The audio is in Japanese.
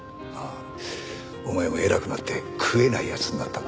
お前も偉くなって食えない奴になったな。